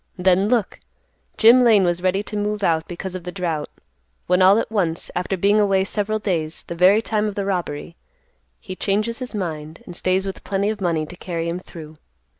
Then, look! Jim Lane was ready to move out because of the drought, when all at once, after being away several days the very time of the robbery, he changes his mind, and stays with plenty of money to carry him through.